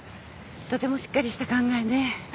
とてもしっかりした考えね。